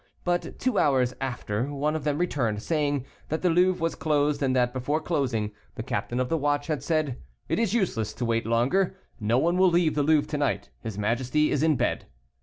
But two hours after one of them returned, saying, that the Louvre was closed and that before closing, the captain of the watch had said, "It is useless to wait longer, no one will leave the Louvre to night; his majesty is in bed."